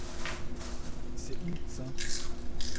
C’est où ça?